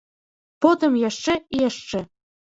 Потым яшчэ і яшчэ.